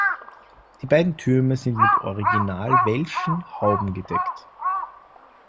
Die beiden Türme sind mit original welschen Hauben gedeckt.